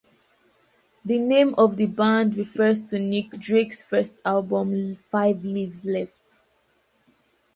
The name of the band refers to Nick Drake's first album "Five Leaves Left".